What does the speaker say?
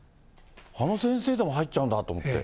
あの先生でも入っちゃうんだと思って。